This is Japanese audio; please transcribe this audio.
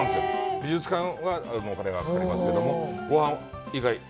美術館はお金がかかりますけども、ここは。